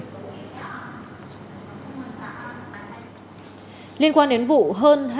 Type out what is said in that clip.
các bạn hãy đăng ký kênh để ủng hộ kênh của chúng mình nhé